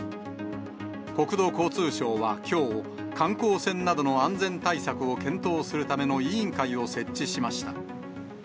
国土交通省はきょう、観光船などの安全対策を検討するための委員会を設置しました。